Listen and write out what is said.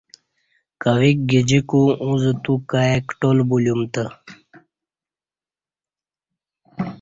کویک گجیکو اوزہ تو کای کٹال بلیوم تہ